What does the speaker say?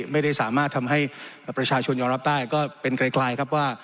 ไม่ได้สามารถทำให้ประชาชนยอมรับได้ก็เป็นไกลครับว่า